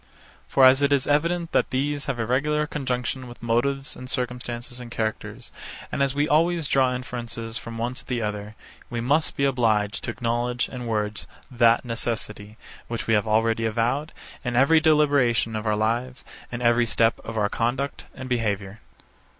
For as it is evident that these have a regular conjunction with motives and circumstances and characters, and as we always draw inferences from one to the other, we must be obliged to acknowledge in words that necessity, which we have already avowed, in every deliberation of our lives, and in every step of our conduct and behaviour.